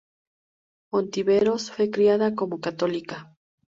Ontiveros fue criada como católica.